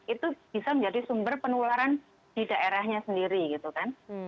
itu bisa menjadi sumber penularan di daerahnya sendiri gitu kan